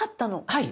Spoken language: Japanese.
はい。